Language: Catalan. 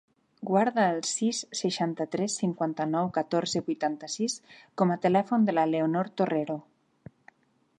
Guarda el sis, seixanta-tres, cinquanta-nou, catorze, vuitanta-sis com a telèfon de la Leonor Torrero.